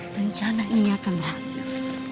rencana ini akan berhasil